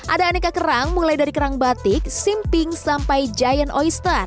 ada aneka kerang mulai dari kerang batik simping sampai giant oyster